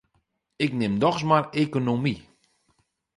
Ik nim dochs mar ekonomy.